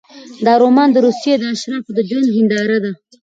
دا رومان د روسیې د اشرافو د ژوند هینداره ده.